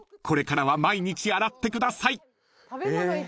これからは毎日洗ってください］